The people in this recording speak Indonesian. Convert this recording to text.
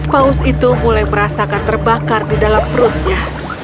paus itu mulai merasakan terbakar di dalam perutnya